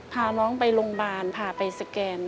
พาน้องไปโรงพยาบาลพาไปสแกน